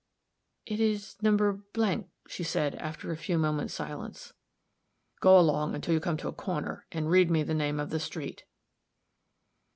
"It is No. ," she said, after a few moments' silence. "Go along until you come to a corner, and read me the name of the street."